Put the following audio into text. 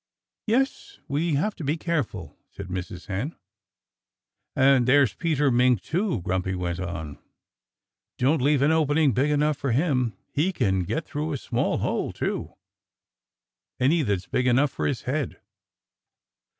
"Yes! We have to be careful," said Mrs. Hen. "And there's Peter Mink, too," Grumpy went on. "Don't leave an opening big enough for him! He can get through a small hole, too any that's big enough for his head."